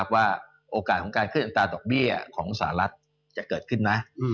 ว่าโอกาสขึ้นอัตราตกบีบียของสาหรัฐจะเกิดขึ้น